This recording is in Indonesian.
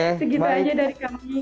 segitu aja dari kami